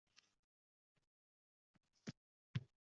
Shoirlarning qismati.